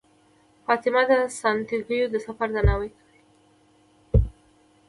فاطمه د سانتیاګو د سفر درناوی کوي.